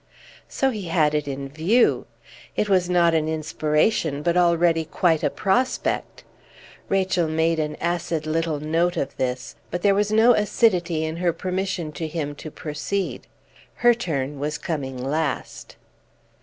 So he had it in view! It was not an inspiration, but already quite a prospect! Rachel made an acid little note of this; but there was no acidity in her permission to him to proceed; her turn was coming last.